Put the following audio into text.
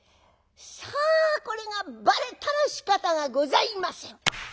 さあこれがバレたらしかたがございません。